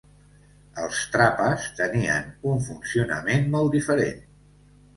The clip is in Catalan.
Els Trapas tenien un funcionament molt diferent.